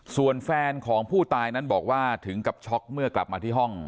ส่วนแฟนของผู้ตายนั้นบอกว่าถึงกับช็อกเมื่อกลับมาที่ห้อง